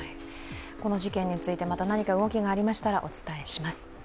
この事件について、また何か動きがありましたらお伝えします。